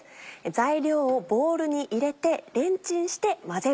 材料をボウルに入れてレンチンして混ぜる。